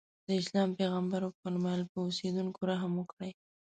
د اسلام پیغمبر وفرمایل په اوسېدونکو رحم وکړئ.